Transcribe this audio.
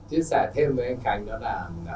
chia sẻ thêm với anh khánh đó là